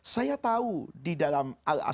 saya tahu di dalam al aqsa